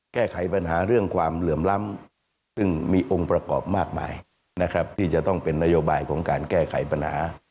แก้ไขปัญหาเรื่องความเหลื่อมล้ำซึ่งมีองค์ประกอบมากมายนะครับที่จะต้องเป็นนโยบายของการแก้ไขปัญหา